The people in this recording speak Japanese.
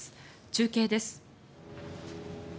中継です。